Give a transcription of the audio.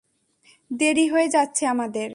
দেরি হয়ে যাচ্ছে আমাদের।